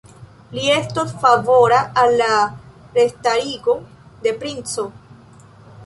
Li estos favora al la restarigo de princo.